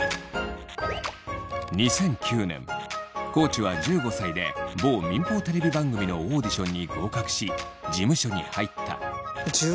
地は１５歳で某民放テレビ番組のオーディションに合格し事務所に入った。